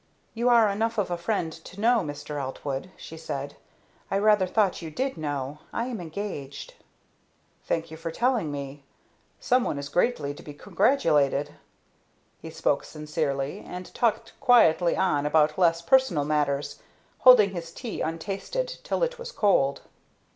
"You are enough of a friend to know, Mr. Eltwood," she said, "I rather thought you did know. I am engaged." "Thank you for telling me; some one is greatly to be congratulated," he spoke sincerely, and talked quietly on about less personal matters, holding his tea untasted till it was cold.